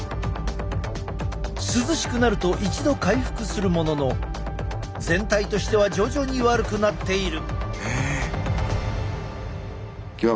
涼しくなると一度回復するものの全体としては徐々に悪くなっている。